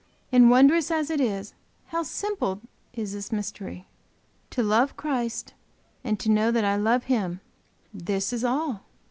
And wondrous as it is, how simple is this mystery! To love Christ and to know that I love Him this is all!